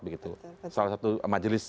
begitu salah satu majelis